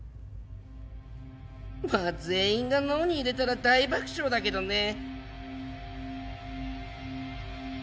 まあ全員がＮＯに入れたら大爆笑だけどね。